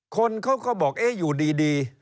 คนเขาก็บอกเอ๊ะอยู่ดี